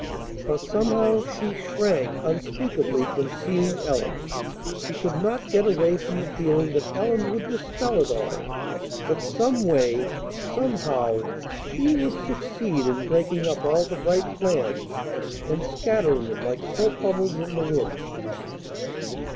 But somehow she shrank unspeakably from seeing Ellen. She could not get away from the feeling that Ellen would dispel it all; that someway, somehow, she would succeed in breaking up all the bright plans and scattering them like soap bubbles in the wind.